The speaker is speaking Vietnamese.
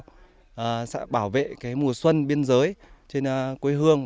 tổ chức tết sớm sẽ bảo vệ mùa xuân biên giới trên quê hương